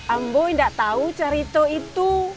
ambo nggak tahu cerita itu